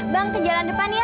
bang ke jalan depan ya